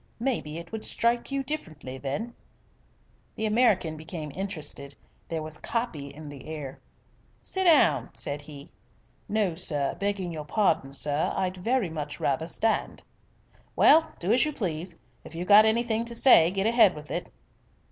Maybe it would strike you different then." The American became interested. There was "copy" in the air. "Sit down," said he. "No, sir, begging your pardon, sir, I'd very much rather stand." "Well, do as you please. If you've got anything to say, get ahead with it."